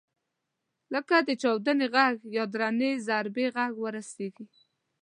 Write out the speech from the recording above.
لکه د چاودنې غږ یا درنې ضربې غږ ورسېږي.